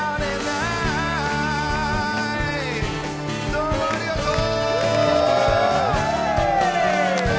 どうもありがとう！